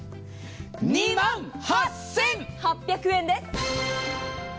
２万８８８０円です。